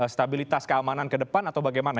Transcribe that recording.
stabilitas keamanan kedepan atau bagaimana